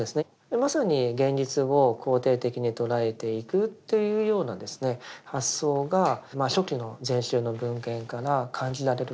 まさに現実を肯定的に捉えていくというような発想が初期の禅宗の文献から感じられるところがあります。